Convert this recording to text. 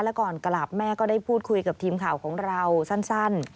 และก่อนกลับแม่ก็ได้พูดคุยกับทีมข่าวของเราสั้น